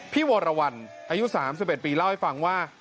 พี่โวรวัลอายุ๓๑ปีเล่าให้ฟังว่า